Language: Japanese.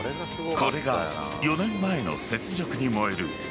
これが４年前の雪辱に燃える